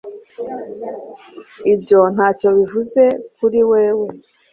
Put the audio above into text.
Ibyo ntacyo bivuze kuri wewe